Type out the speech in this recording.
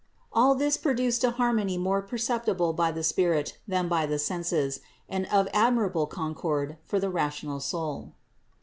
All this pro duced a harmony more perceptible by the spirit than by the senses, and of admirable concord for the rational soul.